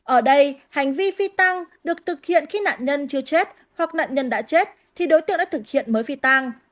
ở đây hành vi phi tăng được thực hiện khi nạn nhân chưa chết hoặc nạn nhân đã chết thì đối tượng đã thực hiện mới phi tang